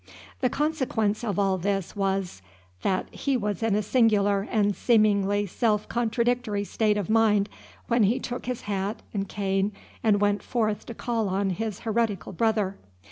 The consequence of all this was, that he was in a singular and seemingly self contradictory state of mind when he took his hat and cane and went forth to call on his heretical brother.